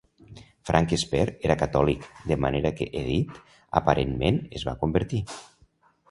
Frank Spare era catòlic, de manera que Edith aparentment es va convertir.